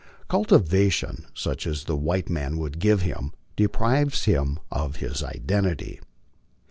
Cultivation such as the 1 white man would give him deprives him of his identity.